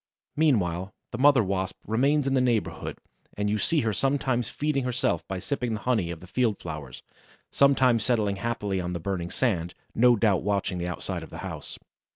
Meanwhile the mother Wasp remains in the neighborhood and you see her sometimes feeding herself by sipping the honey of the field flowers, sometimes settling happily on the burning sand, no doubt watching the outside of the house.